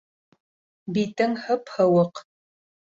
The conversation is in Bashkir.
Битең һып-һыуыҡ.